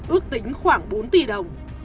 ước tính khoảng bốn tỷ đồng